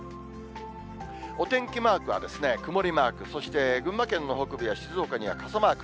お天気マークは、曇りマーク、そして群馬県の北部や静岡には傘マーク。